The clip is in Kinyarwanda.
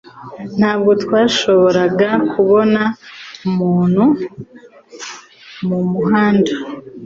Ntabwo twashoboraga kubona umuntu mumuhanda.